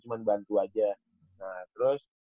cuma bantu aja nah terus